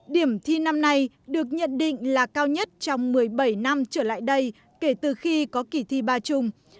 điểm thi năm nay được nhận định là cao nhất trong một mươi bảy năm trở lại đây kể từ khi có kỳ thi ba chung